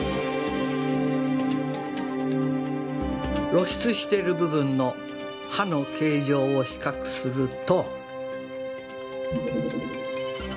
露出してる部分の歯の形状を比較すると。